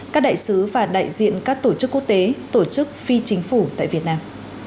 các đại sứ và đại diện các tổ chức quốc tế tổ chức phi chính phủ tại việt nam